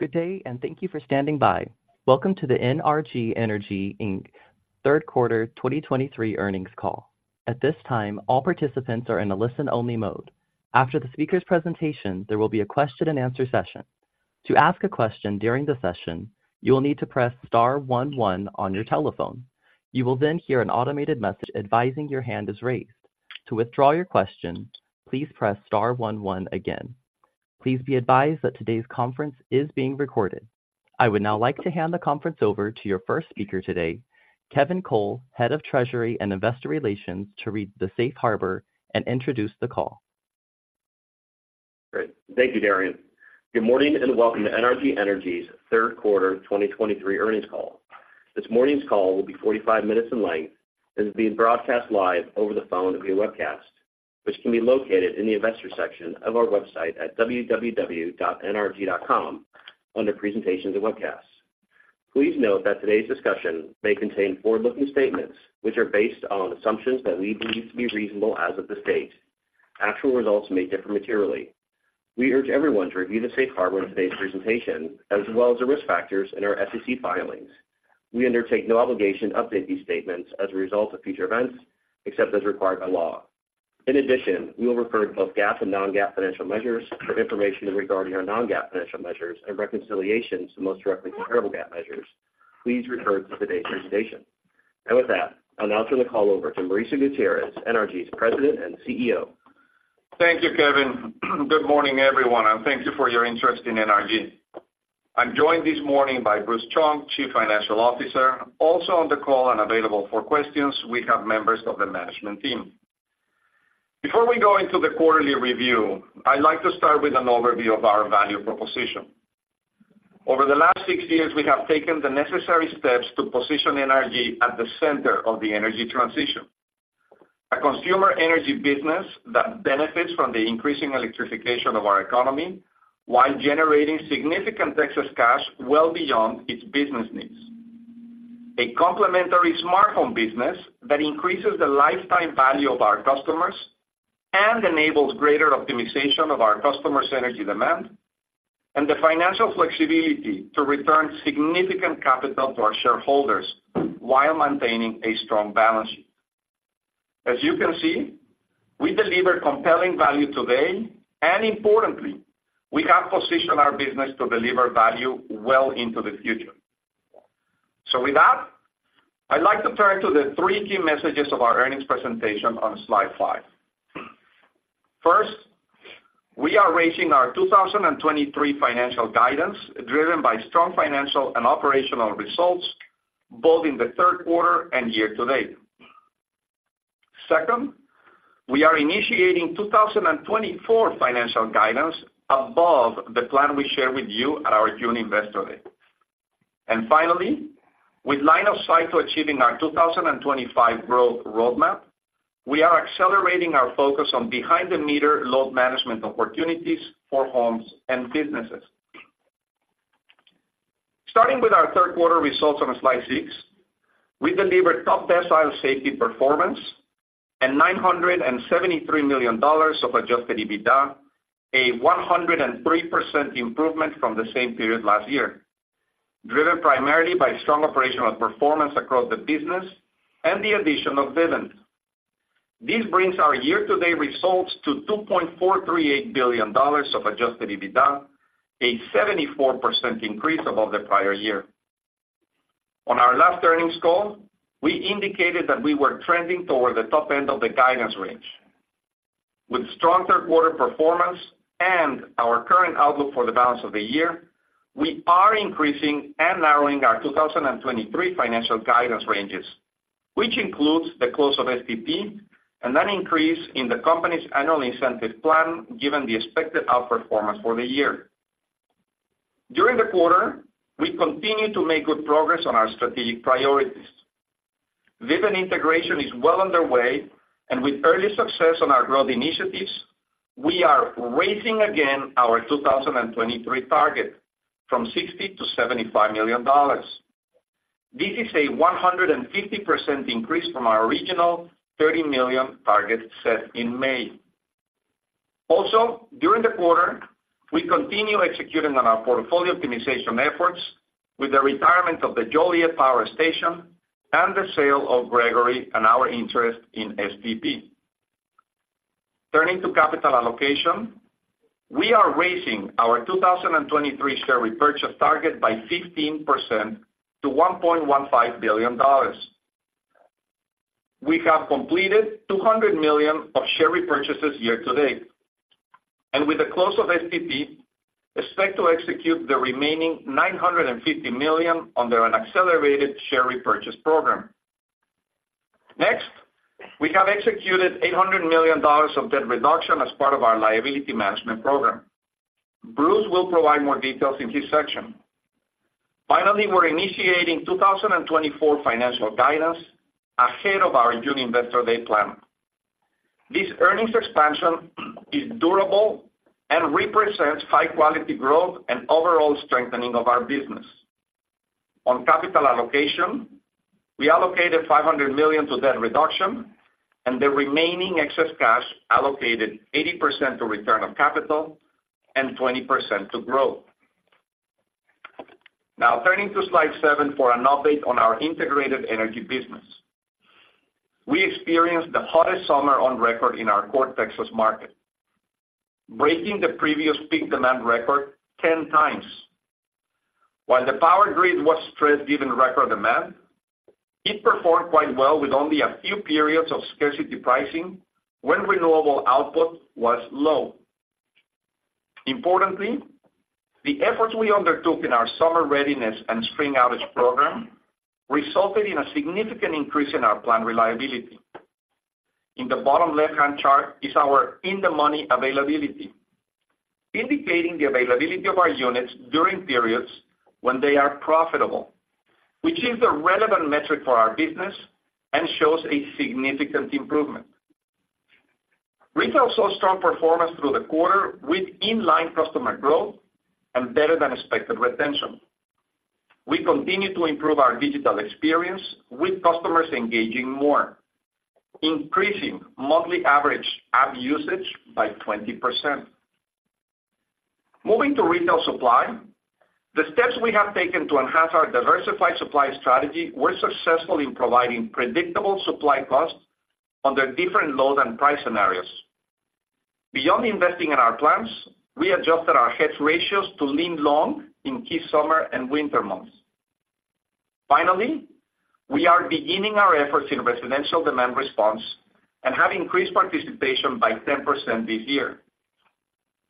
Good day, and thank you for standing by. Welcome to the NRG Energy, Inc. third quarter 2023 earnings call. At this time, all participants are in a listen-only mode. After the speaker's presentation, there will be a question-and-answer session. To ask a question during the session, you will need to press star one one on your telephone. You will then hear an automated message advising your hand is raised. To withdraw your question, please press star one one again. Please be advised that today's conference is being recorded. I would now like to hand the conference over to your first speaker today, Kevin Cole, Head of Treasury and Investor Relations, to read the Safe Harbor and introduce the call. Great. Thank you, Darian. Good morning, and welcome to NRG Energy's third quarter 2023 earnings call. This morning's call will be 45 minutes in length and is being broadcast live over the phone and via webcast, which can be located in the Investors section of our website at www.nrg.com, under Presentations and Webcasts. Please note that today's discussion may contain forward-looking statements, which are based on assumptions that we believe to be reasonable as of this date. Actual results may differ materially. We urge everyone to review the Safe Harbor in today's presentation, as well as the risk factors in our SEC filings. We undertake no obligation to update these statements as a result of future events, except as required by law. In addition, we will refer to both GAAP and non-GAAP financial measures. For information regarding our non-GAAP financial measures and reconciliations to the most directly comparable GAAP measures, please refer to today's presentation. With that, I'll now turn the call over to Mauricio Gutierrez, NRG's President and CEO. Thank you, Kevin. Good morning, everyone, and thank you for your interest in NRG. I'm joined this morning by Bruce Chung, Chief Financial Officer. Also on the call and available for questions, we have members of the management team. Before we go into the quarterly review, I'd like to start with an overview of our value proposition. Over the last six years, we have taken the necessary steps to position NRG at the center of the energy transition. A consumer energy business that benefits from the increasing electrification of our economy while generating significant excess cash well beyond its business needs. A complementary smartphone business that increases the lifetime value of our customers and enables greater optimization of our customers' energy demand, and the financial flexibility to return significant capital to our shareholders while maintaining a strong balance sheet. As you can see, we deliver compelling value today, and importantly, we have positioned our business to deliver value well into the future. With that, I'd like to turn to the three key messages of our earnings presentation on slide five. First, we are raising our 2023 financial guidance, driven by strong financial and operational results, both in the third quarter and year-to-date. Second, we are initiating 2024 financial guidance above the plan we shared with you at our June Investor Day. And finally, with line of sight to achieving our 2025 growth roadmap, we are accelerating our focus on behind-the-meter load management opportunities for homes and businesses. Starting with our third quarter results on slide six, we delivered top-decile safety performance and $973 million of Adjusted EBITDA, a 103% improvement from the same period last year, driven primarily by strong operational performance across the business and the addition of Vivint. This brings our year-to-date results to $2.438 billion of Adjusted EBITDA, a 74% increase above the prior year. On our last earnings call, we indicated that we were trending toward the top end of the guidance range. With strong third quarter performance and our current outlook for the balance of the year, we are increasing and narrowing our 2023 financial guidance ranges, which includes the close of STP and an increase in the company's annual incentive plan, given the expected outperformance for the year. During the quarter, we continued to make good progress on our strategic priorities. Vivint integration is well underway, and with early success on our growth initiatives, we are raising again our 2023 target from $60 million-$75 million. This is a 150% increase from our original $30 million target set in May. Also, during the quarter, we continue executing on our portfolio optimization efforts with the retirement of the Joliet Power Station and the sale of Gregory and our interest in STP. Turning to capital allocation, we are raising our 2023 share repurchase target by 15% to $1.15 billion. We have completed $200 million of share repurchases year-to-date, and with the close of STP, expect to execute the remaining $950 million under an accelerated share repurchase program. Next, we have executed $800 million of debt reduction as part of our liability management program. Bruce will provide more details in his section. Finally, we're initiating 2024 financial guidance ahead of our June Investor Day plan. This earnings expansion is durable and represents high-quality growth and overall strengthening of our business. On capital allocation, we allocated $500 million to debt reduction, and the remaining excess cash allocated 80% to return on capital and 20% to growth. Now turning to slide seven for an update on our integrated energy business. We experienced the hottest summer on record in our core Texas market, breaking the previous peak demand record 10 times. While the power grid was stressed given record demand, it performed quite well with only a few periods of scarcity pricing when renewable output was low. Importantly, the efforts we undertook in our summer readiness and spring outage program resulted in a significant increase in our plant reliability. In the bottom left-hand chart is our in-the-money availability, indicating the availability of our units during periods when they are profitable, which is the relevant metric for our business and shows a significant improvement. Retail saw strong performance through the quarter with in-line customer growth and better-than-expected retention. We continue to improve our digital experience with customers engaging more, increasing monthly average app usage by 20%. Moving to retail supply, the steps we have taken to enhance our diversified supply strategy were successful in providing predictable supply costs under different load and price scenarios. Beyond investing in our plants, we adjusted our hedge ratios to lean long in key summer and winter months. Finally, we are beginning our efforts in residential demand response and have increased participation by 10% this year.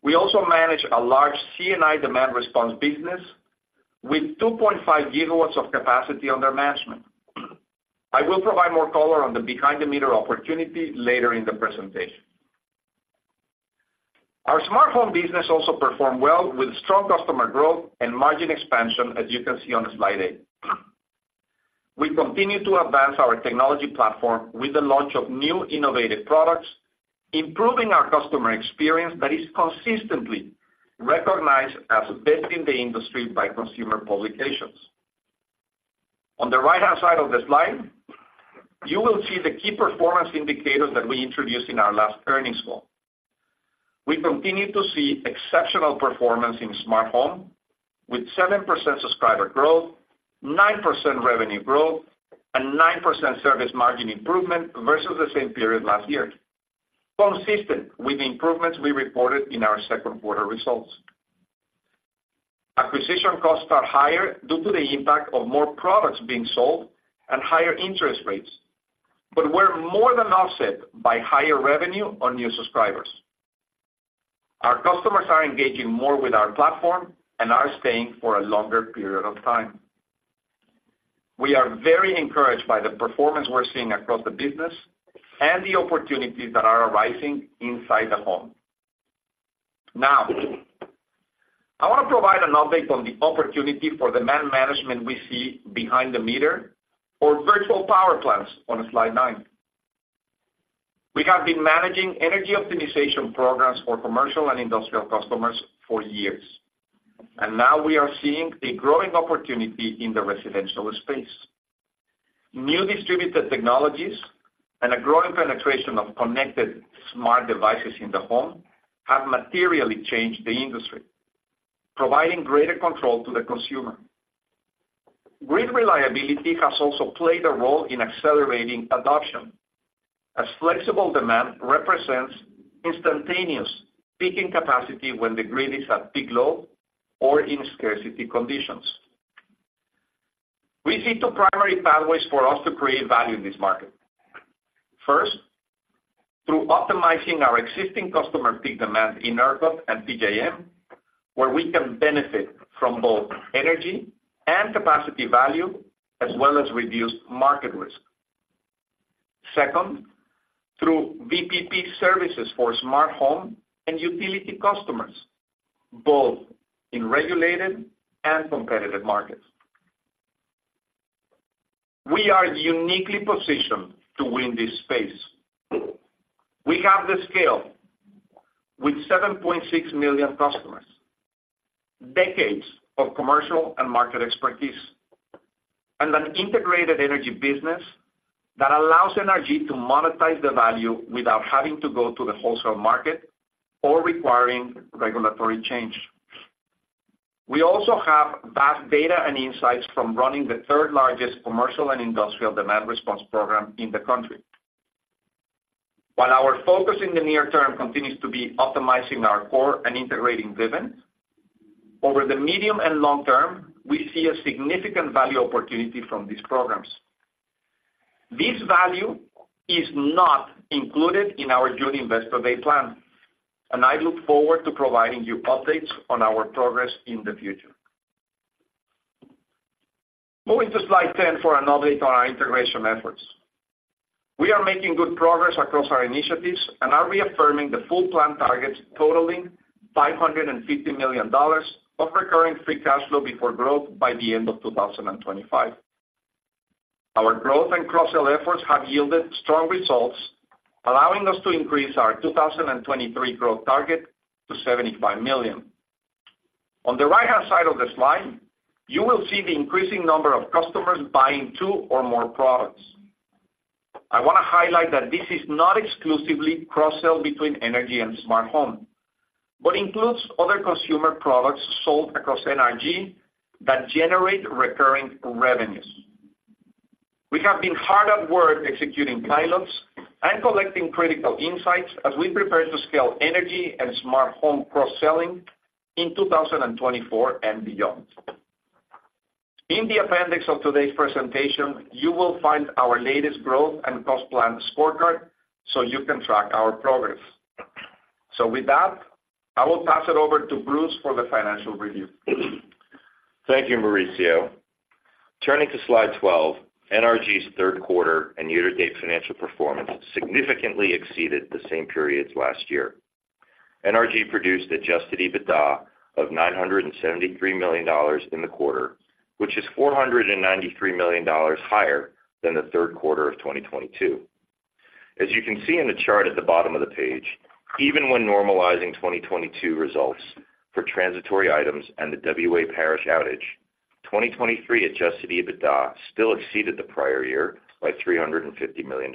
We also manage a large C&I demand response business with 2.5 GW of capacity under management. I will provide more color on the behind-the-meter opportunity later in the presentation. Our Smart Home business also performed well with strong customer growth and margin expansion, as you can see on slide eight. We continue to advance our technology platform with the launch of new innovative products, improving our customer experience that is consistently recognized as best in the industry by consumer publications. On the right-hand side of the slide, you will see the key performance indicators that we introduced in our last earnings call. We continue to see exceptional performance in Smart Home, with 7% subscriber growth, 9% revenue growth, and 9% service margin improvement versus the same period last year, consistent with the improvements we reported in our second quarter results. Acquisition costs are higher due to the impact of more products being sold and higher interest rates, but were more than offset by higher revenue on new subscribers. Our customers are engaging more with our platform and are staying for a longer period of time. We are very encouraged by the performance we're seeing across the business and the opportunities that are arising inside the home. Now, I want to provide an update on the opportunity for demand management we see behind the meter or Virtual Power Plants on slide nine. We have been managing energy optimization programs for commercial and industrial customers for years, and now we are seeing a growing opportunity in the residential space. New distributed technologies and a growing penetration of connected smart devices in the home have materially changed the industry, providing greater control to the consumer. Grid reliability has also played a role in accelerating adoption, as flexible demand represents instantaneous peaking capacity when the grid is at peak load or in scarcity conditions. We see two primary pathways for us to create value in this market. First, through optimizing our existing customer peak demand in ERCOT and PJM, where we can benefit from both energy and capacity value, as well as reduced market risk. Second, through VPP services for Smart Home and utility customers, both in regulated and competitive markets. We are uniquely positioned to win this space. We have the scale with 7.6 million customers, decades of commercial and market expertise, and an integrated energy business that allows NRG to monetize the value without having to go to the wholesale market or requiring regulatory change. We also have vast data and insights from running the third-largest commercial and industrial demand response program in the country. While our focus in the near term continues to be optimizing our core and integrating Vivint, over the medium and long term, we see a significant value opportunity from these programs. This value is not included in our June Investor Day plan, and I look forward to providing you updates on our progress in the future. Moving to slide 10 for an update on our integration efforts. We are making good progress across our initiatives and are reaffirming the full plan targets totaling $550 million of recurring free cash flow before growth by the end of 2025. Our growth and cross-sell efforts have yielded strong results, allowing us to increase our 2023 growth target to $75 million. On the right-hand side of the slide, you will see the increasing number of customers buying two or more products. I want to highlight that this is not exclusively cross-sell between energy and smart home, but includes other consumer products sold across NRG that generate recurring revenues. We have been hard at work executing pilots and collecting critical insights as we prepare to scale energy and smart home cross-selling in 2024 and beyond. In the appendix of today's presentation, you will find our latest growth and cross-plan scorecard so you can track our progress. With that, I will pass it over to Bruce for the financial review. Thank you, Mauricio. Turning to slide 12, NRG's third quarter and year-to-date financial performance significantly exceeded the same periods last year. NRG produced adjusted EBITDA of $973 million in the quarter, which is $493 million higher than the third quarter of 2022. As you can see in the chart at the bottom of the page, even when normalizing 2022 results for transitory items and the WA Parish outage, 2023 adjusted EBITDA still exceeded the prior year by $350 million.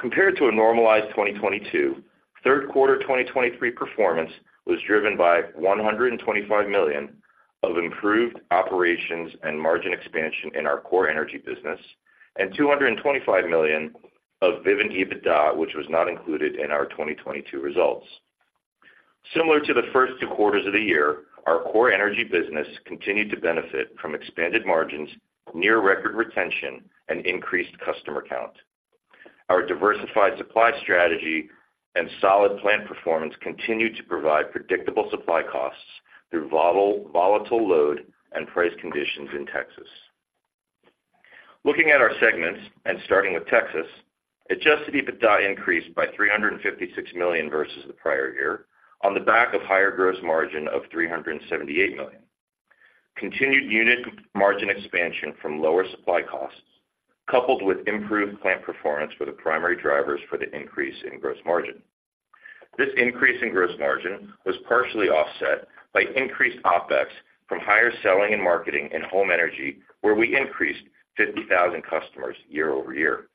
Compared to a normalized 2022, third quarter 2023 performance was driven by $125 million of improved operations and margin expansion in our core energy business, and $225 million of Vivint EBITDA, which was not included in our 2022 results. Similar to the first two quarters of the year, our core energy business continued to benefit from expanded margins, near record retention, and increased customer count. Our diversified supply strategy and solid plant performance continued to provide predictable supply costs through volatile load and price conditions in Texas. Looking at our segments, and starting with Texas, Adjusted EBITDA increased by $356 million versus the prior year on the back of higher gross margin of $378 million. Continued unit margin expansion from lower supply costs, coupled with improved plant performance were the primary drivers for the increase in gross margin. This increase in gross margin was partially offset by increased OpEx from higher selling and marketing in home energy, where we increased 50,000 customers year-over-year.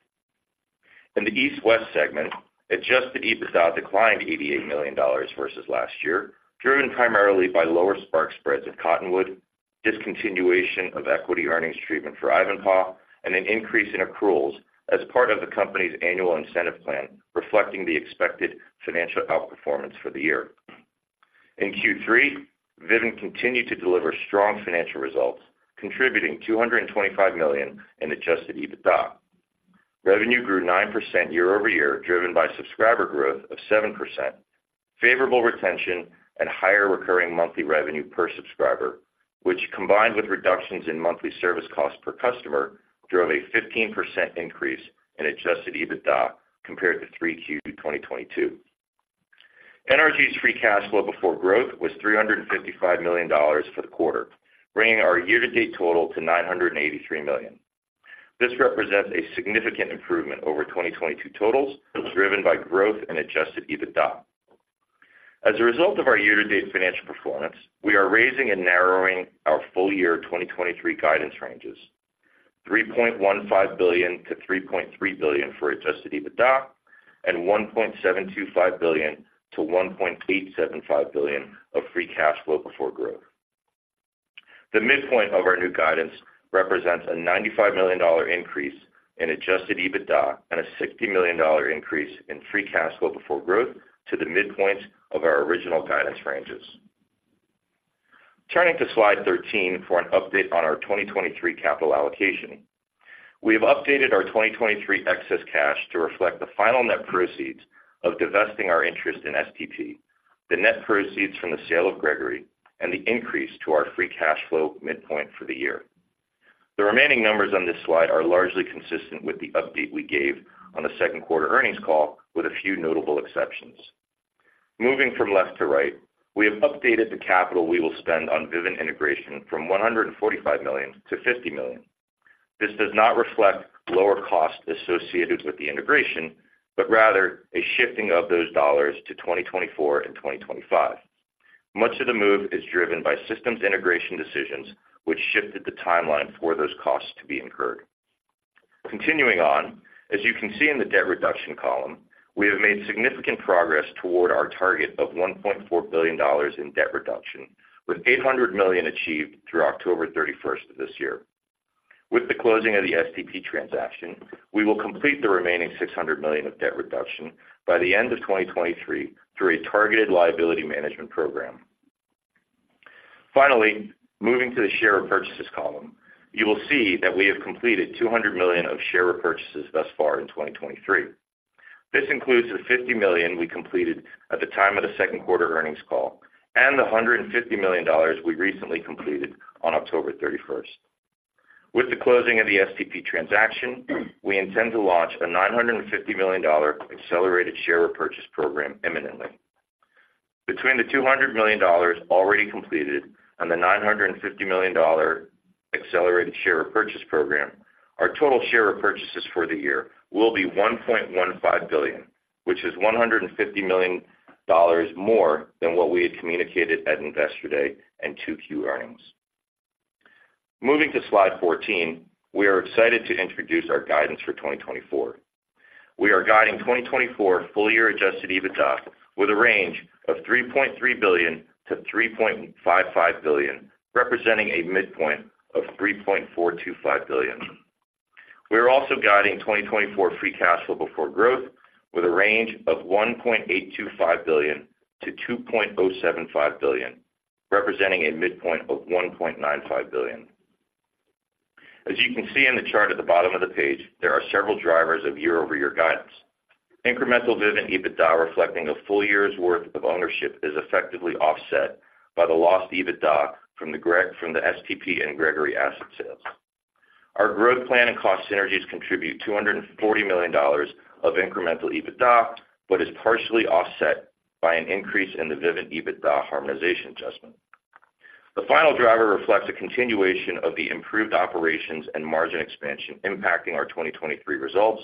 In the East/West segment, Adjusted EBITDA declined $88 million versus last year, driven primarily by lower spark spreads at Cottonwood, discontinuation of equity earnings treatment for Ivanhoe, and an increase in accruals as part of the company's annual incentive plan, reflecting the expected financial outperformance for the year. In Q3, Vivint continued to deliver strong financial results, contributing $225 million in Adjusted EBITDA. Revenue grew 9% year-over-year, driven by subscriber growth of 7%, favorable retention, and higher recurring monthly revenue per subscriber, which, combined with reductions in monthly service costs per customer, drove a 15% increase in Adjusted EBITDA compared to 3Q 2022. NRG's Free Cash Flow Before Growth was $355 million for the quarter, bringing our year-to-date total to $983 million. This represents a significant improvement over 2022 totals, driven by growth and Adjusted EBITDA. As a result of our year-to-date financial performance, we are raising and narrowing our full year 2023 guidance ranges, $3.15 billion-$3.3 billion for Adjusted EBITDA, and $1.725 billion-$1.875 billion of Free Cash Flow Before Growth. The midpoint of our new guidance represents a $95 million increase in Adjusted EBITDA and a $60 million increase in Free Cash Flow Before Growth to the midpoints of our original guidance ranges. Turning to slide 13 for an update on our 2023 capital allocation. We have updated our 2023 excess cash to reflect the final net proceeds of divesting our interest in STP, the net proceeds from the sale of Gregory, and the increase to our free cash flow midpoint for the year. The remaining numbers on this slide are largely consistent with the update we gave on the second quarter earnings call, with a few notable exceptions. Moving from left to right, we have updated the capital we will spend on Vivint integration from $145 million-$50 million. This does not reflect lower costs associated with the integration, but rather a shifting of those dollars to 2024 and 2025. Much of the move is driven by systems integration decisions, which shifted the timeline for those costs to be incurred. Continuing on, as you can see in the debt reduction column, we have made significant progress toward our target of $1.4 billion in debt reduction, with $800 million achieved through October 31 of this year. With the closing of the STP transaction, we will complete the remaining $600 million of debt reduction by the end of 2023 through a targeted liability management program. Finally, moving to the share purchases column, you will see that we have completed $200 million of share repurchases thus far in 2023. This includes the $50 million we completed at the time of the second quarter earnings call, and the $150 million we recently completed on October 31. With the closing of the STP transaction, we intend to launch a $950 million accelerated share repurchase program imminently. Between the $200 million already completed and the $950 million accelerated share repurchase program, our total share repurchases for the year will be $1.15 billion, which is $150 million more than what we had communicated at Investor Day and 2Q earnings. Moving to slide 14, we are excited to introduce our guidance for 2024. We are guiding 2024 full-year Adjusted EBITDA with a range of $3.3 billion-$3.55 billion, representing a midpoint of $3.425 billion. We are also guiding 2024 Free Cash Flow Before Growth, with a range of $1.825 billion-$2.075 billion, representing a midpoint of $1.95 billion. As you can see in the chart at the bottom of the page, there are several drivers of year-over-year guidance. Incremental Vivint EBITDA, reflecting a full year's worth of ownership, is effectively offset by the lost EBITDA from the STP and Gregory asset sales. Our growth plan and cost synergies contribute $240 million of incremental EBITDA, but is partially offset by an increase in the Vivint EBITDA harmonization adjustment. The final driver reflects a continuation of the improved operations and margin expansion impacting our 2023 results,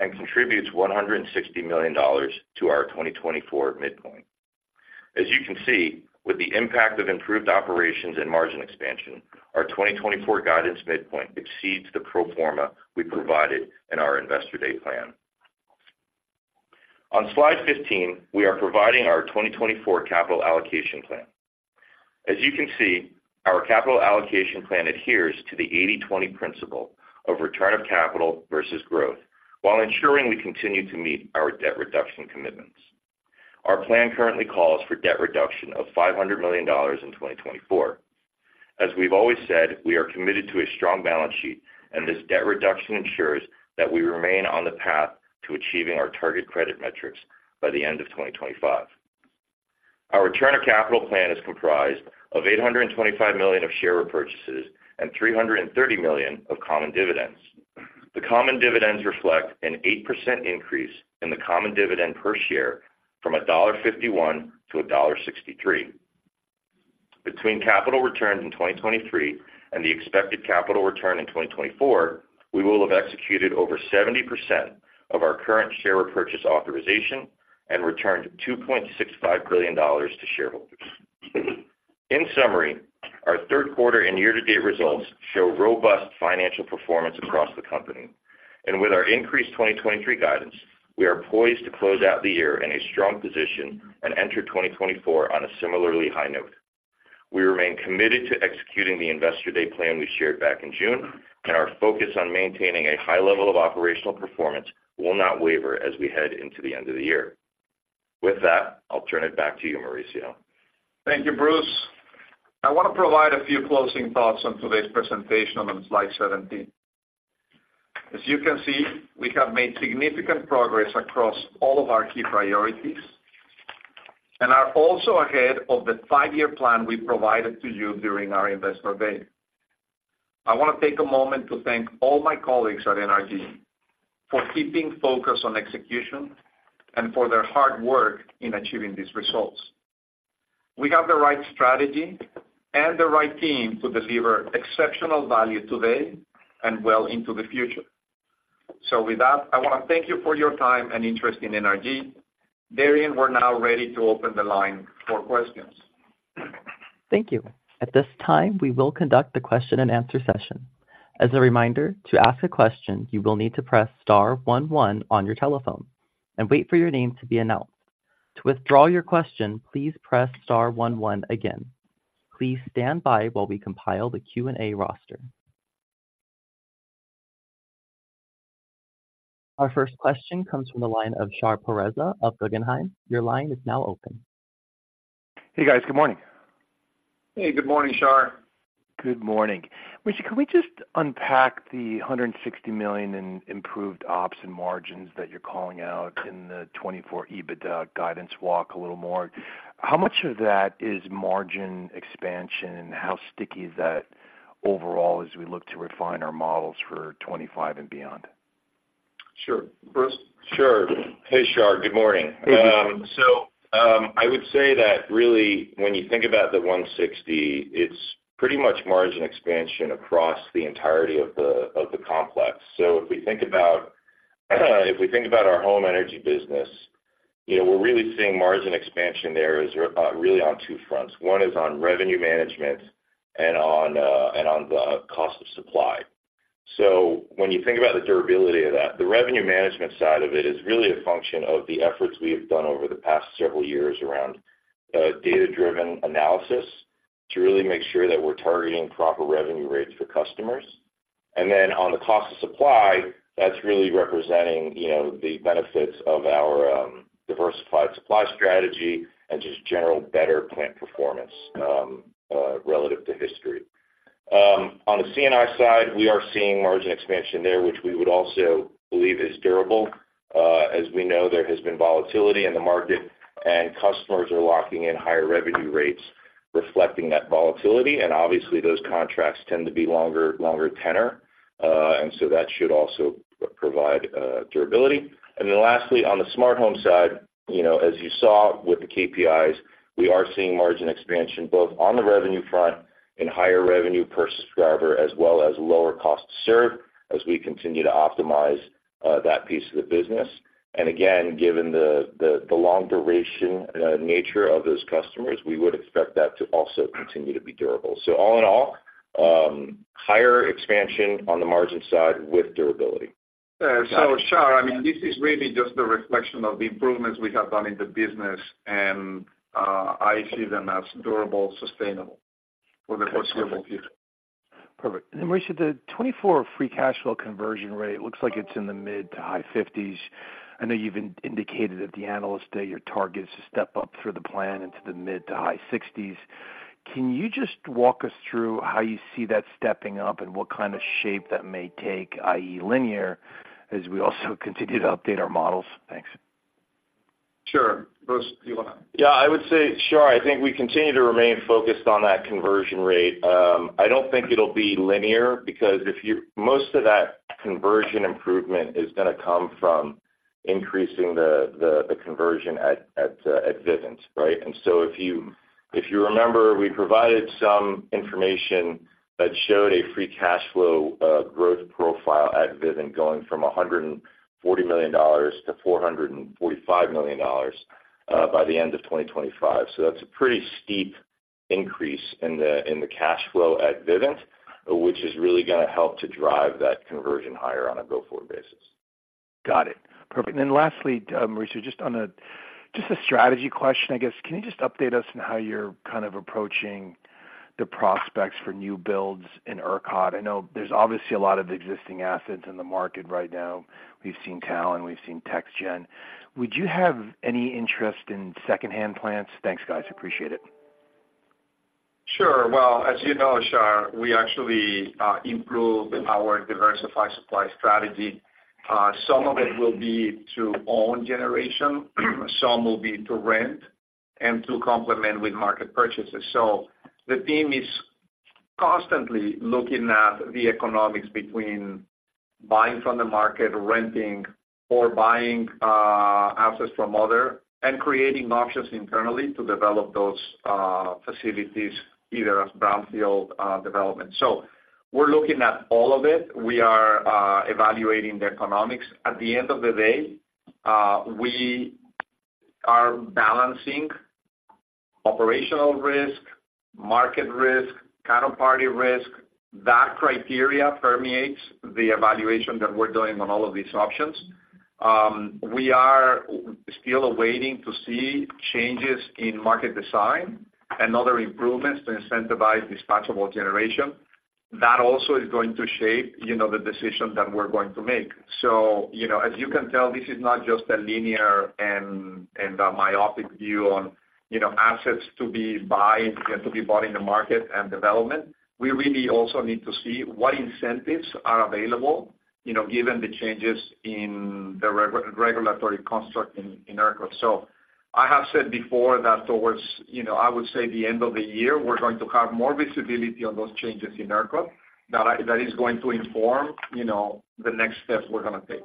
and contributes $160 million to our 2024 midpoint. As you can see, with the impact of improved operations and margin expansion, our 2024 guidance midpoint exceeds the pro forma we provided in our Investor Day plan. On slide 15, we are providing our 2024 capital allocation plan. As you can see, our capital allocation plan adheres to the 80/20 principle of return of capital versus growth, while ensuring we continue to meet our debt reduction commitments. Our plan currently calls for debt reduction of $500 million in 2024. As we've always said, we are committed to a strong balance sheet, and this debt reduction ensures that we remain on the path to achieving our target credit metrics by the end of 2025. Our return of capital plan is comprised of $825 million of share repurchases and $330 million of common dividends. The common dividends reflect an 8% increase in the common dividend per share from $1.51-$1.63. Between capital returns in 2023 and the expected capital return in 2024, we will have executed over 70% of our current share repurchase authorization and returned $2.65 billion to shareholders. In summary, our third quarter and year-to-date results show robust financial performance across the company. With our increased 2023 guidance, we are poised to close out the year in a strong position and enter 2024 on a similarly high note. We remain committed to executing the Investor Day plan we shared back in June, and our focus on maintaining a high level of operational performance will not waver as we head into the end of the year. With that, I'll turn it back to you, Mauricio. Thank you, Bruce. I want to provide a few closing thoughts on today's presentation on slide 17. As you can see, we have made significant progress across all of our key priorities, and are also ahead of the five-year plan we provided to you during our Investor Day. I want to take a moment to thank all my colleagues at NRG for keeping focused on execution and for their hard work in achieving these results. We have the right strategy and the right team to deliver exceptional value today and well into the future. So with that, I want to thank you for your time and interest in NRG. Darian, we're now ready to open the line for questions. Thank you. At this time, we will conduct a question-and-answer session. As a reminder, to ask a question, you will need to press star one one on your telephone and wait for your name to be announced. To withdraw your question, please press star one one again. Please stand by while we compile the Q&A roster. Our first question comes from the line of Shar Pourreza of Guggenheim. Your line is now open. Hey, guys. Good morning. Hey, good morning, Shar. Good morning. Mauricio, can we just unpack the $160 million in improved ops and margins that you're calling out in the 2024 EBITDA guidance walk a little more? How much of that is margin expansion, and how sticky is that overall as we look to refine our models for 2025 and beyond? Sure. Bruce? Sure. Hey, Shar, good morning. Hey. So, I would say that really, when you think about the 160, it's pretty much margin expansion across the entirety of the complex. So if we think about our home energy business, you know, we're really seeing margin expansion there, really on two fronts. One is on revenue management and on the cost of supply. So when you think about the durability of that, the revenue management side of it is really a function of the efforts we have done over the past several years around data-driven analysis to really make sure that we're targeting proper revenue rates for customers. And then on the cost of supply, that's really representing, you know, the benefits of our diversified supply strategy and just general better plant performance relative to history. On the C&I side, we are seeing margin expansion there, which we would also believe is durable. As we know, there has been volatility in the market, and customers are locking in higher revenue rates reflecting that volatility, and obviously, those contracts tend to be longer, longer tenor, and so that should also provide durability. And then lastly, on the smart home side, you know, as you saw with the KPIs, we are seeing margin expansion both on the revenue front and higher revenue per subscriber, as well as lower cost to serve as we continue to optimize that piece of the business. And again, given the long duration nature of those customers, we would expect that to also continue to be durable. So all in all, higher expansion on the margin side with durability. So Shar, I mean, this is really just a reflection of the improvements we have done in the business, and I see them as durable, sustainable for the foreseeable future. Perfect. Then Mauricio, the 2024 free cash flow conversion rate looks like it's in the mid- to high 50s%. I know you've indicated at the Analyst Day, your target is to step up through the plan into the mid- to high 60s%. Can you just walk us through how you see that stepping up and what kind of shape that may take, i.e., linear, as we also continue to update our models? Thanks. Sure. Bruce, do you want to? Yeah, I would say, Shar, I think we continue to remain focused on that conversion rate. I don't think it'll be linear, because most of that conversion improvement is gonna come from increasing the conversion at Vivint, right? And so if you remember, we provided some information that showed a free cash flow growth profile at Vivint, going from $140 million to $445 million by the end of 2025. So that's a pretty steep increase in the cash flow at Vivint, which is really gonna help to drive that conversion higher on a go-forward basis. Got it. Perfect. And then lastly, Mauricio, just a strategy question, I guess. Can you just update us on how you're kind of approaching the prospects for new builds in ERCOT? I know there's obviously a lot of existing assets in the market right now. We've seen Talon, we've seen TexGen. Would you have any interest in secondhand plants? Thanks, guys. Appreciate it. Sure. Well, as you know, Shar, we actually improved our diversified supply strategy. Some of it will be to own generation, some will be to rent and to complement with market purchases. So the team is constantly looking at the economics between buying from the market, renting, or buying assets from other, and creating options internally to develop those facilities, either as brownfield development. So we're looking at all of it. We are evaluating the economics. At the end of the day, we are balancing operational risk, market risk, counterparty risk. That criteria permeates the evaluation that we're doing on all of these options. We are still waiting to see changes in market design and other improvements to incentivize dispatchable generation. That also is going to shape, you know, the decision that we're going to make. So, you know, as you can tell, this is not just a linear and a myopic view on, you know, assets to be buying, and to be bought in the market and development. We really also need to see what incentives are available, you know, given the changes in the regulatory construct in ERCOT. So I have said before that towards, you know, I would say, the end of the year, we're going to have more visibility on those changes in ERCOT, that that is going to inform, you know, the next steps we're gonna take.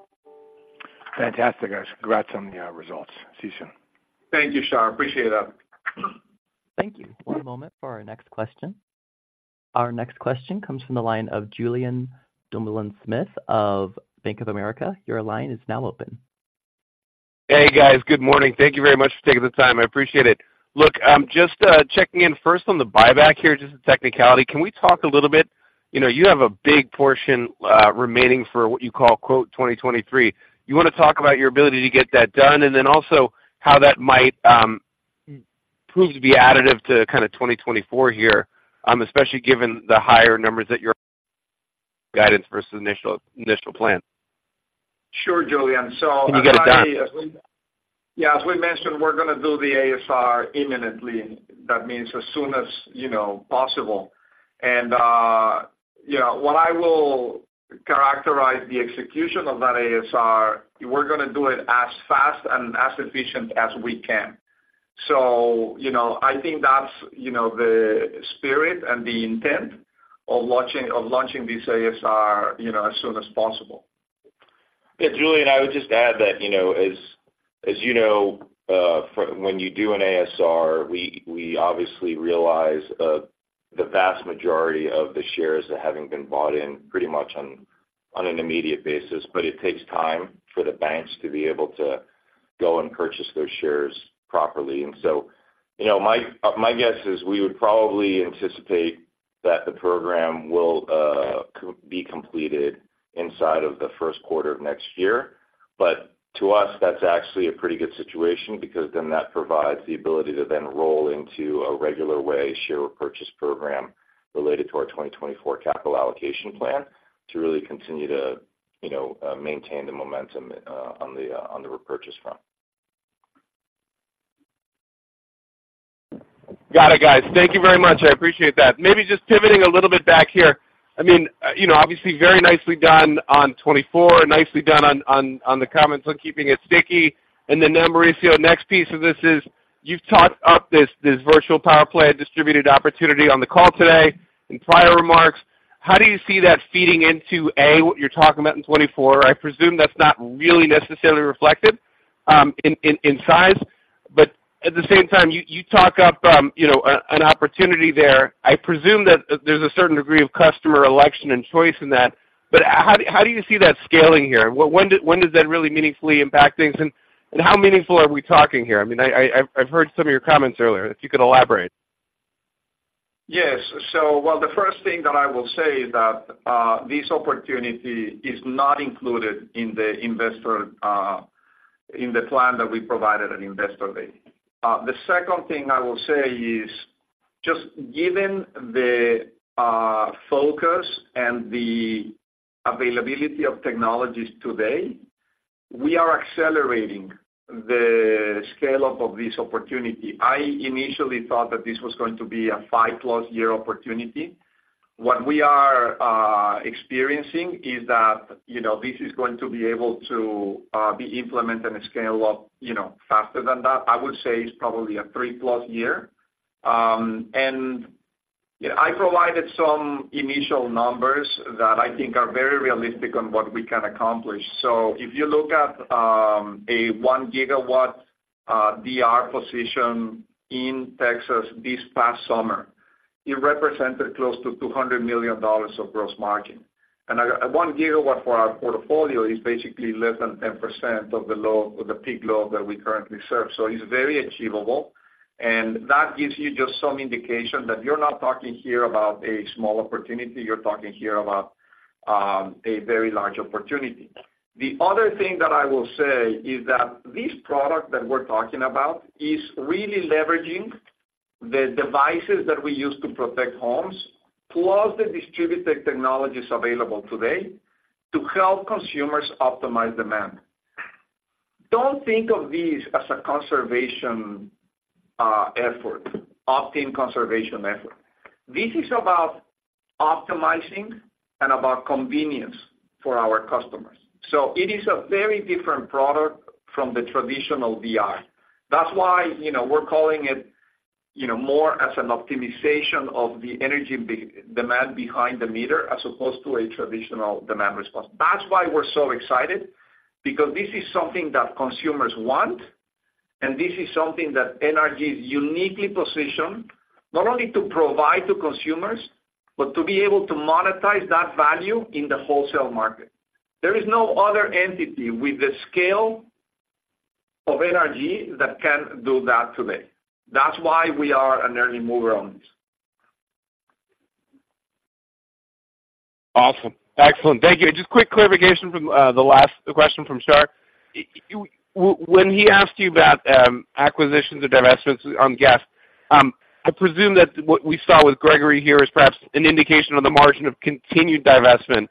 Fantastic, guys. Congrats on the results. See you soon. Thank you, Shar. Appreciate it. Thank you. One moment for our next question. Our next question comes from the line of Julian Dumoulin-Smith of Bank of America. Your line is now open. Hey, guys, good morning. Thank you very much for taking the time. I appreciate it. Look, I'm just checking in first on the buyback here, just a technicality. Can we talk a little bit, you know, you have a big portion remaining for what you call, quote, "2023." You want to talk about your ability to get that done, and then also how that might prove to be additive to kind of 2024 here, especially given the higher numbers that your guidance versus initial, initial plan? Sure, Julian. So- Can you get it done? Yeah, as we mentioned, we're gonna do the ASR imminently. That means as soon as, you know, possible. And, you know, what I will characterize the execution of that ASR, we're gonna do it as fast and as efficient as we can. So, you know, I think that's, you know, the spirit and the intent of launching, of launching this ASR, you know, as soon as possible. Yeah, Julian, I would just add that, you know, as, as you know, when you do an ASR, we, we obviously realize the vast majority of the shares that having been bought in pretty much on, on an immediate basis, but it takes time for the banks to be able to go and purchase those shares properly. And so, you know, my, my guess is we would probably anticipate that the program will be completed inside of the first quarter of next year. But to us, that's actually a pretty good situation, because then that provides the ability to then roll into a regular way share repurchase program related to our 2024 capital allocation plan, to really continue to, you know, maintain the momentum on the, on the repurchase front. Got it, guys. Thank you very much. I appreciate that. Maybe just pivoting a little bit back here. I mean, you know, obviously very nicely done on 2024, nicely done on the comments on keeping it sticky. And then, Mauricio, next piece of this is, you've talked up this virtual power plant distributed opportunity on the call today in prior remarks. How do you see that feeding into, A, what you're talking about in 2024? I presume that's not really necessarily reflected in size. But at the same time, you talk up, you know, an opportunity there. I presume that there's a certain degree of customer election and choice in that, but how do you see that scaling here? When does that really meaningfully impact things? And how meaningful are we talking here? I mean, I've heard some of your comments earlier, if you could elaborate. Yes. So well, the first thing that I will say is that, this opportunity is not included in the investor, in the plan that we provided at Investor Day. The second thing I will say is just given the, focus and the availability of technologies today, we are accelerating the scale-up of this opportunity. I initially thought that this was going to be a 5+ year opportunity. What we are, experiencing is that, you know, this is going to be able to, be implemented and scale up, you know, faster than that. I would say it's probably a 3+ year. And, you know, I provided some initial numbers that I think are very realistic on what we can accomplish. So if you look at a 1 GW DR position in Texas this past summer, it represented close to $200 million of gross margin. One gigawatt for our portfolio is basically less than 10% of the peak load that we currently serve. So it's very achievable, and that gives you just some indication that you're not talking here about a small opportunity, you're talking here about a very large opportunity. The other thing that I will say is that this product that we're talking about is really leveraging the devices that we use to protect homes, plus the distributed technologies available today to help consumers optimize demand. Don't think of this as a conservation effort, opt-in conservation effort. This is about optimizing and about convenience for our customers. So it is a very different product from the traditional DR. That's why, you know, we're calling it, you know, more as an optimization of the energy demand behind the meter, as opposed to a traditional demand response. That's why we're so excited, because this is something that consumers want, and this is something that NRG is uniquely positioned, not only to provide to consumers, but to be able to monetize that value in the wholesale market. There is no other entity with the scale of NRG that can do that today. That's why we are an early mover on this. Awesome. Excellent. Thank you. Just quick clarification from the last question from Shar. When he asked you about acquisitions or divestments on gas, I presume that what we saw with Gregory here is perhaps an indication on the margin of continued divestment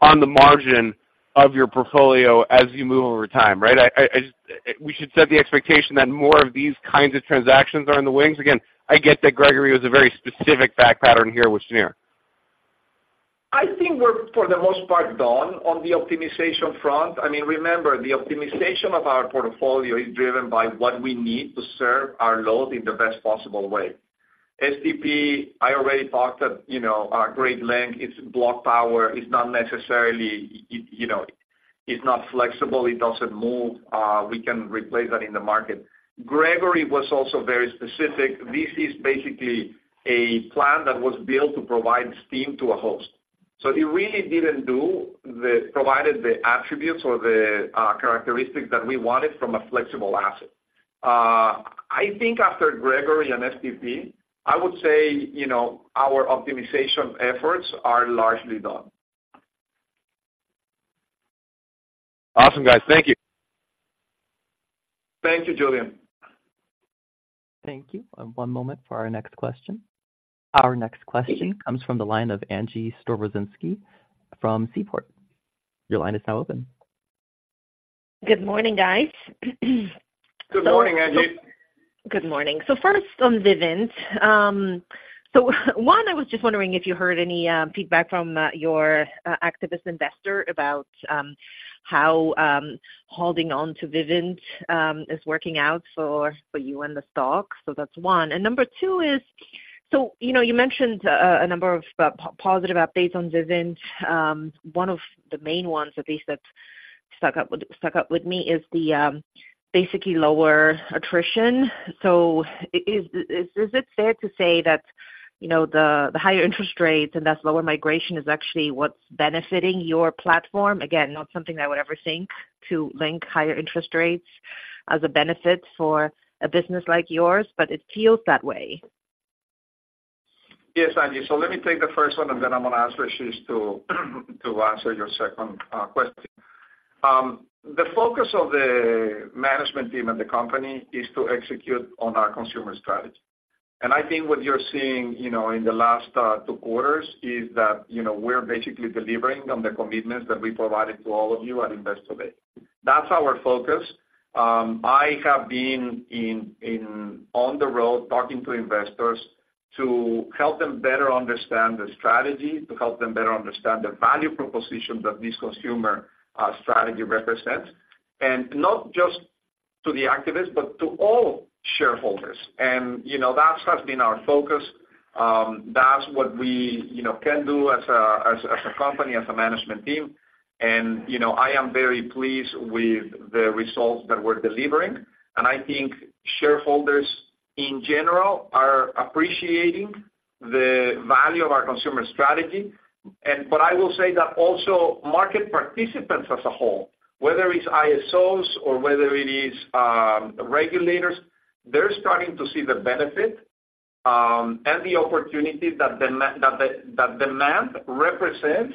on the margin of your portfolio as you move over time, right? We should set the expectation that more of these kinds of transactions are in the wings. Again, I get that Gregory was a very specific fact pattern here with Cheniere. I think we're, for the most part, done on the optimization front. I mean, remember, the optimization of our portfolio is driven by what we need to serve our load in the best possible way. STP, I already talked that, you know, at great length, it's block power, it's not necessarily, it, you know, it's not flexible, it doesn't move. We can replace that in the market. Gregory was also very specific. This is basically a plant that was built to provide steam to a host. So it really didn't provide the attributes or the characteristics that we wanted from a flexible asset. I think after Gregory and STP, I would say, you know, our optimization efforts are largely done. Awesome, guys. Thank you. Thank you, Julian. Thank you. One moment for our next question. Our next question comes from the line of Angie Storozynski from Seaport. Your line is now open. Good morning, guys. Good morning, Angie. Good morning. So first on Vivint. One, I was just wondering if you heard any feedback from your activist investor about how holding on to Vivint is working out for you and the stock? So that's one. And number two is, you know, you mentioned a number of positive updates on Vivint. One of the main ones, at least that stuck with me, is basically lower attrition. So is it fair to say that, you know, the higher interest rates and thus lower migration is actually what's benefiting your platform? Again, not something I would ever think to link higher interest rates as a benefit for a business like yours, but it feels that way. Yes, Angie. So let me take the first one, and then I'm gonna ask Ritesh to answer your second question. The focus of the management team and the company is to execute on our consumer strategy. And I think what you're seeing, you know, in the last two quarters is that, you know, we're basically delivering on the commitments that we provided to all of you at Investor Day. That's our focus. I have been on the road talking to investors to help them better understand the strategy, to help them better understand the value proposition that this consumer strategy represents, and not just to the activists, but to all shareholders. And, you know, that has been our focus. That's what we, you know, can do as a company, as a management team. You know, I am very pleased with the results that we're delivering. I think shareholders, in general, are appreciating the value of our consumer strategy. But I will say that also market participants as a whole, whether it's ISOs or whether it is regulators, they're starting to see the benefit and the opportunity that the demand represents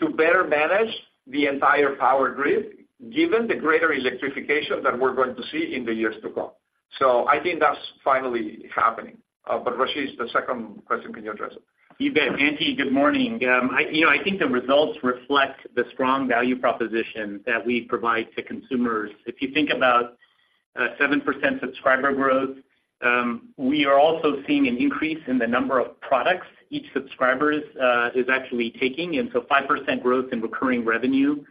to better manage the entire power grid, given the greater electrification that we're going to see in the years to come. So I think that's finally happening. But Rashid, the second question, can you address it? You bet. Angie, good morning. I, you know, I think the results reflect the strong value proposition that we provide to consumers. If you think about, 7% subscriber growth, we are also seeing an increase in the number of products each subscribers is actually taking, and so 5% growth in recurring revenue.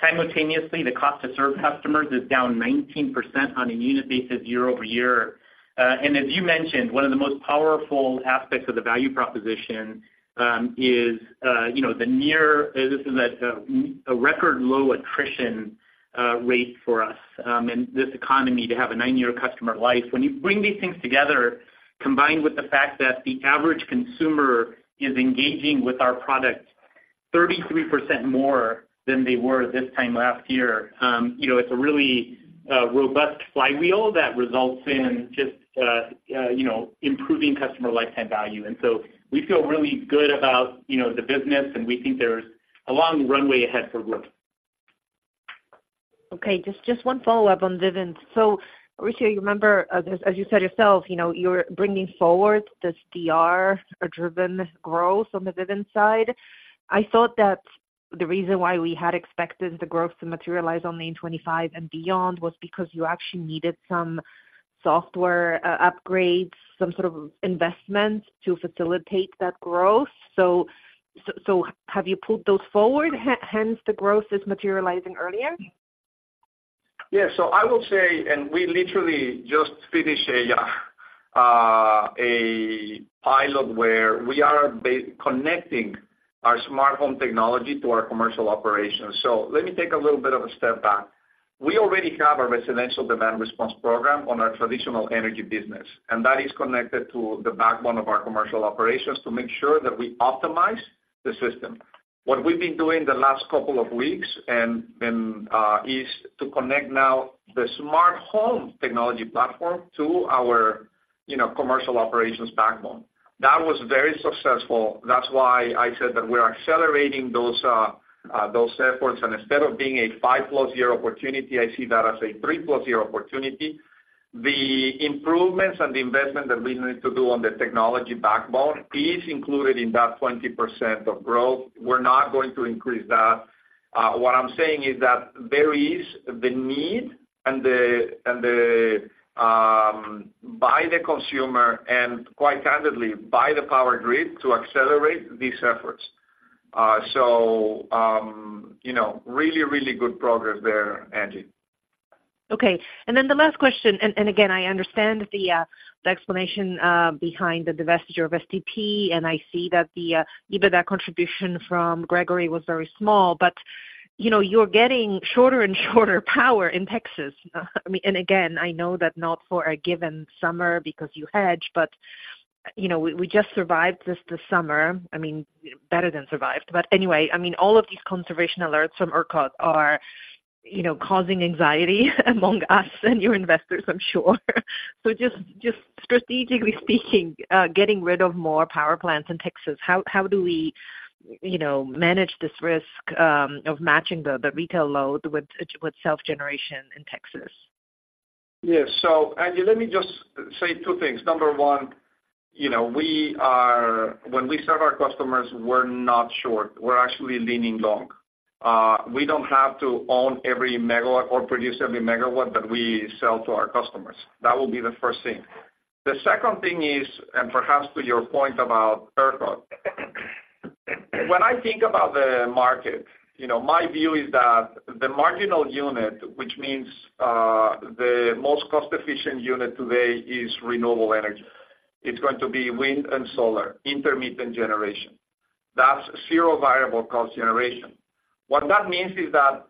Simultaneously, the cost to serve customers is down 19% on a unit basis year-over-year. As you mentioned, one of the most powerful aspects of the value proposition is, you know, the near—this is a, a record low attrition rate for us, in this economy to have a nine-year customer life. When you bring these things together, combined with the fact that the average consumer is engaging with our product 33% more than they were this time last year, you know, it's a really, you know, improving customer lifetime value. And so we feel really good about, you know, the business, and we think there's a long runway ahead for growth. Okay, just, just one follow-up on Vivint. So, Rashid, you remember, as, as you said yourself, you know, you're bringing forward this DR or driven growth on the Vivint side. I thought that the reason why we had expected the growth to materialize on the 25 and beyond was because you actually needed some software upgrades, some sort of investments to facilitate that growth. So, so, so have you pulled those forward, hence, the growth is materializing earlier? Yeah. So I will say, and we literally just finished a pilot where we are connecting our smart home technology to our commercial operations. So let me take a little bit of a step back. We already have a residential demand response program on our traditional energy business, and that is connected to the backbone of our commercial operations to make sure that we optimize the system. What we've been doing the last couple of weeks is to connect now the smart home technology platform to our, you know, commercial operations backbone. That was very successful. That's why I said that we're accelerating those efforts. And instead of being a 5+ year opportunity, I see that as a 3+ year opportunity. The improvements and the investment that we need to do on the technology backbone is included in that 20% of growth. We're not going to increase that. What I'm saying is that there is the need by the consumer, and quite candidly, by the power grid, to accelerate these efforts. You know, really, really good progress there, Angie. Okay. And then the last question, and again, I understand the explanation behind the divestiture of SDP, and I see that even that contribution from Gregory was very small. But, you know, you're getting shorter and shorter power in Texas. I mean, and again, I know that not for a given summer because you hedge, but, you know, we just survived this summer, I mean, better than survived. But anyway, I mean, all of these conservation alerts from ERCOT are, you know, causing anxiety among us and your investors, I'm sure. So just strategically speaking, getting rid of more power plants in Texas, how do we, you know, manage this risk of matching the retail load with self-generation in Texas? Yes. So, Angie, let me just say two things. Number one, you know, we are when we serve our customers, we're not short. We're actually leaning long. We don't have to own every megawatt or produce every megawatt that we sell to our customers. That would be the first thing. The second thing is, and perhaps to your point about ERCOT, when I think about the market, you know, my view is that the marginal unit, which means, the most cost-efficient unit today, is renewable energy. It's going to be wind and solar, intermittent generation. That's zero variable cost generation. What that means is that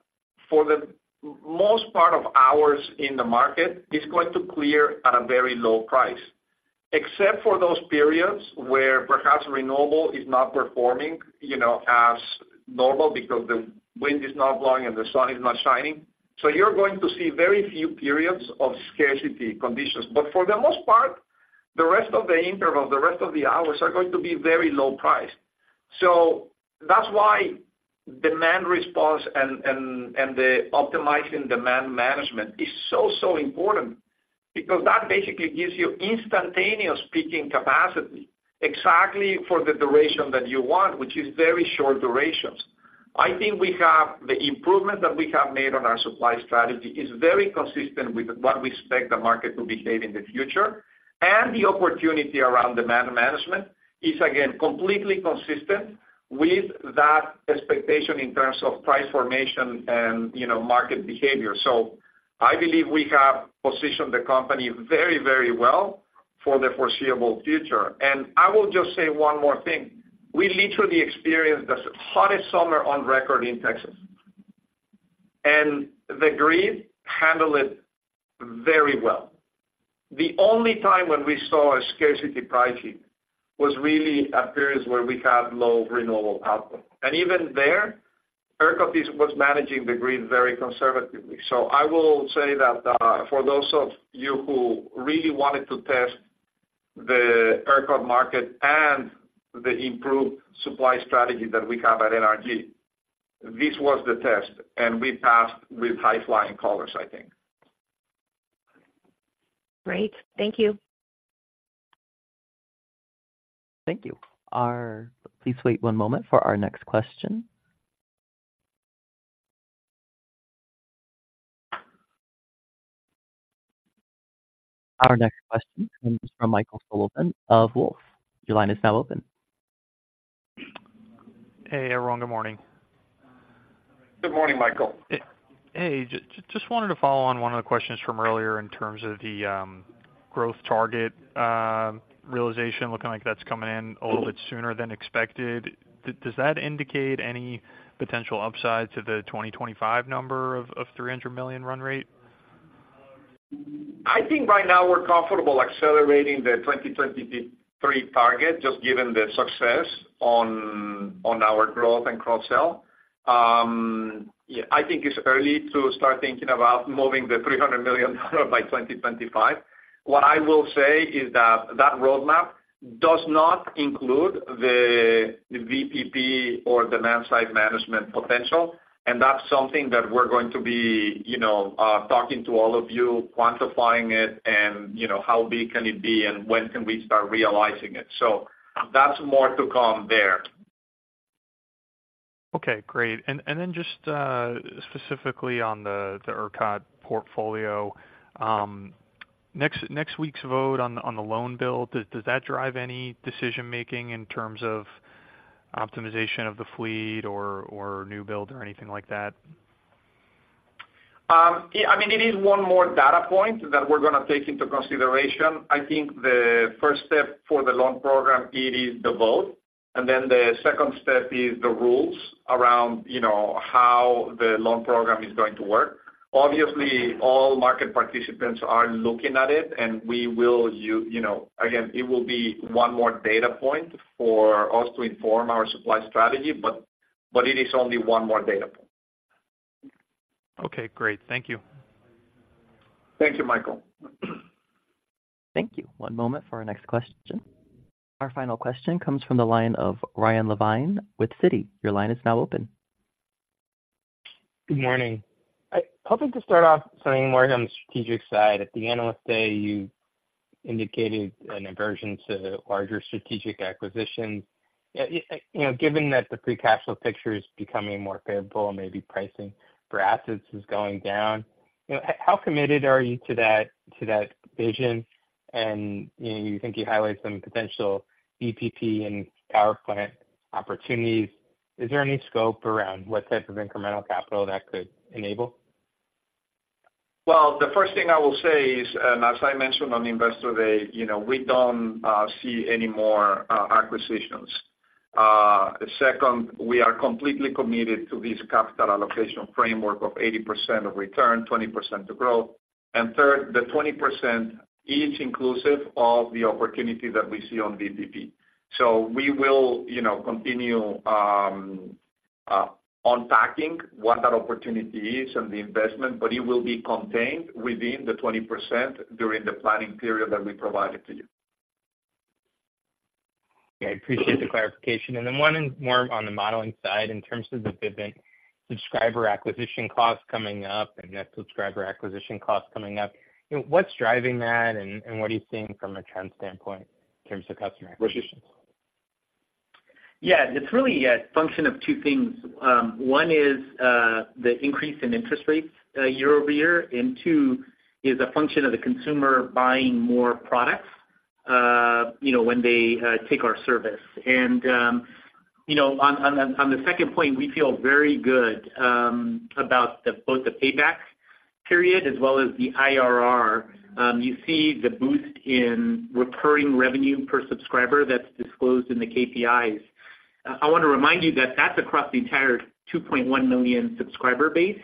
for the most part of hours in the market, it's going to clear at a very low price, except for those periods where perhaps renewable is not performing, you know, as normal because the wind is not blowing and the sun is not shining. So you're going to see very few periods of scarcity conditions. But for the most part, the rest of the interval, the rest of the hours, are going to be very low priced. So that's why demand response and the optimizing demand management is so important because that basically gives you instantaneous peaking capacity, exactly for the duration that you want, which is very short durations. I think we have the improvement that we have made on our supply strategy is very consistent with what we expect the market to behave in the future. The opportunity around demand management is, again, completely consistent with that expectation in terms of price formation and, you know, market behavior. I believe we have positioned the company very, very well for the foreseeable future. And I will just say one more thing: We literally experienced the hottest summer on record in Texas, and the grid handled it very well. The only time when we saw a scarcity pricing was really a period where we had low renewable output. And even there, ERCOT was managing the grid very conservatively. So I will say that, for those of you who really wanted to test the ERCOT market and the improved supply strategy that we have at NRG, this was the test, and we passed with high flying colors, I think. Great. Thank you. Thank you. Please wait one moment for our next question. Our next question comes from Michael Sullivan of Wolfe. Your line is now open. Hey, everyone. Good morning. Good morning, Michael. Hey, just wanted to follow on one of the questions from earlier in terms of the growth target realization, looking like that's coming in a little bit sooner than expected. Does that indicate any potential upside to the 2025 number of $300 million run rate? I think right now we're comfortable accelerating the 2023 target, just given the success on, on our growth and cross-sell. Yeah, I think it's early to start thinking about moving the $300 million by 2025. What I will say is that that roadmap does not include the VPP or demand side management potential, and that's something that we're going to be, you know, talking to all of you, quantifying it, and, you know, how big can it be and when can we start realizing it. So that's more to come there. Okay, great. And then just specifically on the ERCOT portfolio, next week's vote on the loan bill, does that drive any decision making in terms of optimization of the fleet or new build or anything like that? Yeah, I mean, it is one more data point that we're going to take into consideration. I think the first step for the loan program, it is the vote, and then the second step is the rules around, you know, how the loan program is going to work. Obviously, all market participants are looking at it, and we will, you know, again, it will be one more data point for us to inform our supply strategy, but, but it is only one more data point. Okay, great. Thank you. Thank you, Michael. Thank you. One moment for our next question. Our final question comes from the line of Ryan Levine with Citi. Your line is now open. Good morning. I'm hoping to start off something more on the strategic side. At the Analyst Day, you indicated an aversion to larger strategic acquisitions. You know, given that the free cash flow picture is becoming more favorable and maybe pricing for assets is going down, you know, how committed are you to that, to that vision? And, you know, you think you highlight some potential EPP and power plant opportunities. Is there any scope around what type of incremental capital that could enable? Well, the first thing I will say is, and as I mentioned on Investor Day, you know, we don't see any more acquisitions. Second, we are completely committed to this capital allocation framework of 80% of return, 20% to growth. And third, the 20% is inclusive of the opportunity that we see on VPP. So we will, you know, continue unpacking what that opportunity is and the investment, but it will be contained within the 20% during the planning period that we provided to you. Yeah, I appreciate the clarification. Then one is more on the modeling side in terms of the Vivint subscriber acquisition costs coming up and net subscriber acquisition costs coming up. You know, what's driving that, and what are you seeing from a trend standpoint in terms of customer acquisitions? Yeah, it's really a function of two things. One is the increase in interest rates year over year, and two is a function of the consumer buying more products, you know, when they take our service. And you know, on the second point, we feel very good about both the payback period as well as the IRR. You see the boost in recurring revenue per subscriber that's disclosed in the KPIs. I want to remind you that that's across the entire 2.1 million subscriber base.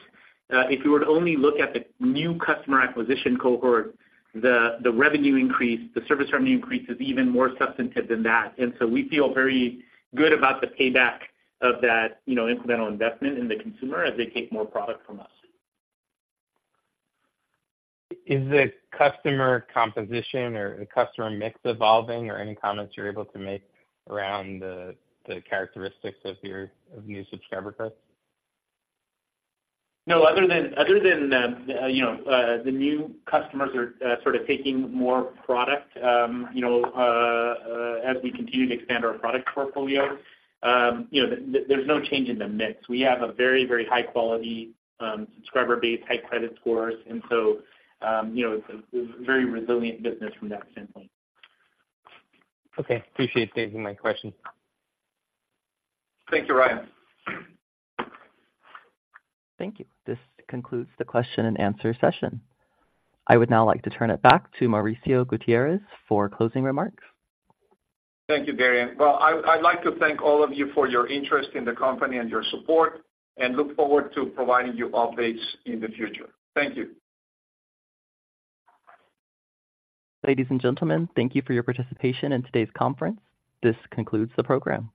If you were to only look at the new customer acquisition cohort, the revenue increase, the service revenue increase is even more substantive than that. And so we feel very good about the payback of that, you know, incremental investment in the consumer as they take more product from us. Is the customer composition or the customer mix evolving, or any comments you're able to make around the characteristics of your new subscriber base? No, other than the new customers are sort of taking more product, you know, as we continue to expand our product portfolio, you know, there's no change in the mix. We have a very, very high quality subscriber base, high credit scores, and so, you know, it's a very resilient business from that standpoint. Okay. Appreciate taking my question. Thank you, Ryan. Thank you. This concludes the question and answer session. I would now like to turn it back to Mauricio Gutierrez for closing remarks. Thank you, Darian. Well, I'd like to thank all of you for your interest in the company and your support, and look forward to providing you updates in the future. Thank you. Ladies and gentlemen, thank you for your participation in today's conference. This concludes the program.